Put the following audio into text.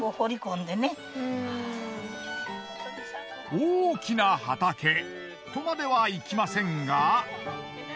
大きな畑とまではいきませんが。